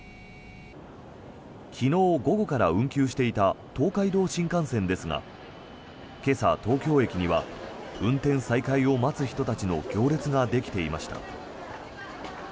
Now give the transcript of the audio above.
昨日午後から運休していた東海道新幹線ですが今朝、東京駅には運転再開を待つ人たちの行列ができていました。